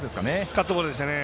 カットボールでしたね。